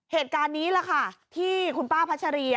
เหตุการณ์นี้ที่คุณป้าพระชะรี